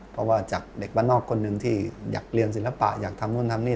เพราะว่าจากเด็กบ้านนอกคนหนึ่งที่อยากเรียนศิลปะอยากทำนู่นทำนี่